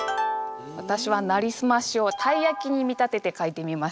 私は「なりすまし」をたいやきに見立てて書いてみました。